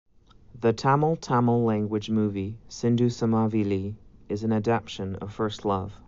The Tamil Tamil language movie "Sindhu Samaveli" is an adaptation of "First Love".